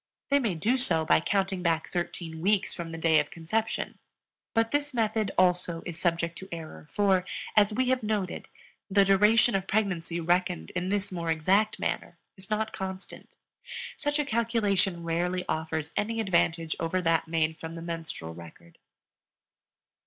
They may do so by counting back thirteen weeks from the day of conception; but this method also is subject to error for, as we have noted, the duration of pregnancy reckoned in this more exact manner is not constant. Such a calculation rarely offers any advantage over that made from the menstrual record.